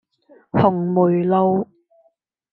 紅梅路